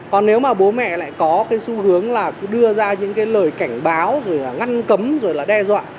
còn nếu mà bố mẹ lại có cái xu hướng là đưa ra những cái lời cảnh báo rồi là ngăn cấm rồi là đe dọa